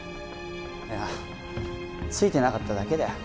いやついてなかっただけだよ